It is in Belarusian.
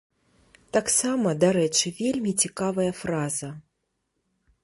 Таксама, дарэчы, вельмі цікавая фраза.